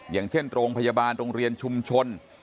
อย่างเช่นโรงพยาบาลโรงเรียนชุมชน